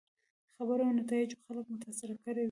خبرو او نتایجو خلک متاثره کړي وو.